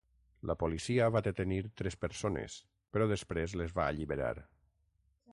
La policia va detenir tres persones, però després les va alliberar.